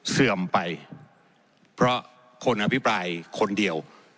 เสื่อมไปเพราะคนอภิปรายคนเดียว